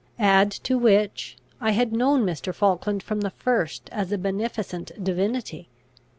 Add to which, I had known Mr. Falkland from the first as a beneficent divinity.